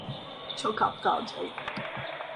Çok aptalcaydı.